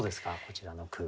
こちらの句。